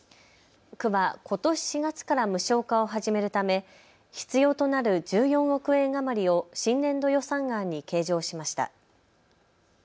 区はことし４月から無償化を始めるため必要となる１４億円余りを新年度予算案に計上しました。